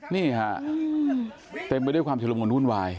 นี่ค่ะเต็มไปด้วยความเฉลิมของนุ่นวาย